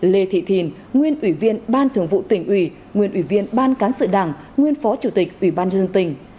lê thị thìn nguyên ủy viên ban thường vụ tỉnh ủy nguyên ủy viên ban cán sự đảng nguyên phó chủ tịch ủy ban dân tỉnh